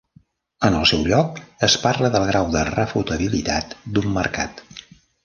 En el seu lloc, es parla del grau de refutabilitat d'un mercat.